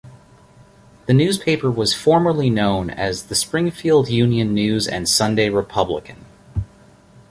The newspaper was formerly known as "The Springfield Union News and Sunday Republican".